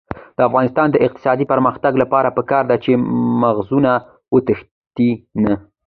د افغانستان د اقتصادي پرمختګ لپاره پکار ده چې مغزونه وتښتي نه.